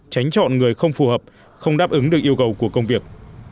tránh chọn người không phù hợp không đáp ứng được yêu cầu của công việc